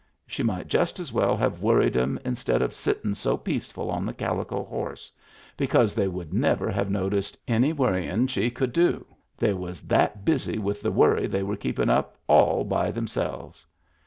She might just as well have worried 'em instead of sittin' so peaceful on the calico horse, because they would never have noticed any worryin' she could do — they was that busy with the worry they were keepin' up all by themselves.